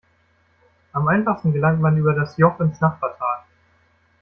Am einfachsten gelangt man über das Joch ins Nachbartal.